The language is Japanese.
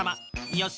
よし。